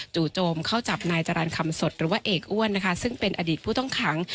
จู่โจมเข้าจับนายจรรย์คำสดหรือว่าเอกอ้วนนะคะซึ่งเป็นอดีตผู้ต้องขัง